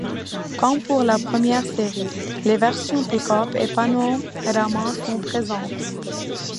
Comme pour la première série, les versions Pick-up et Panorama sont présentes.